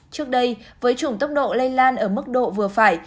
trước đây với chủng tốc độ lây lan ở mức độ vừa phải